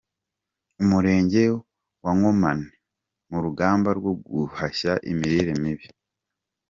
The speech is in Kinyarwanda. Umurenge wa Nkomane mu rugamba rwo guhashya imirire mibi